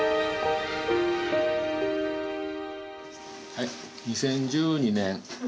はい２０１２年。